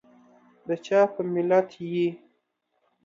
دچا په ملت یي؟